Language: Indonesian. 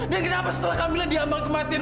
dan kenapa setelah kamila diambang kematian